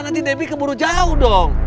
nanti debbie keburu jauh dong